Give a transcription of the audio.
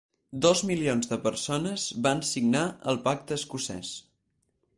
Dos milions de persones van signar el Pacte escocès.